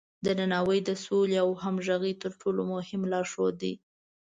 درناوی د سولې او همغږۍ تر ټولو مهم لارښود دی.